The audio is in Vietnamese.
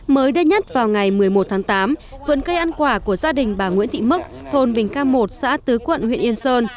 mới đây nhất vào ngày một mươi một tháng tám vườn cây ăn quả của gia đình bà nguyễn thị mức thôn bình cam một xã tứ quận huyện yên sơn